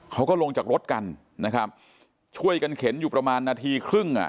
เขาก็ลงจากรถกันนะครับช่วยกันเข็นอยู่ประมาณนาทีครึ่งอ่ะ